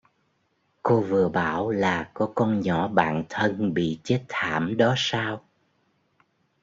Cô vừa bảo là có con nhỏ bạn thân bị chết thảm đó sao